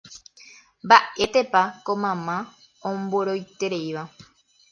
mba'étepa ko mama omboroitereíva